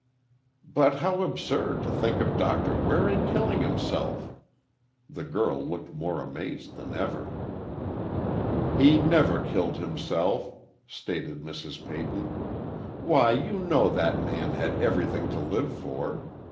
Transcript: "But how absurd to think of Doctor Waring killing himself!" The girl looked more amazed than ever. "He never killed himself," stated Mrs. Peyton. "Why, you know that man had everything to live for!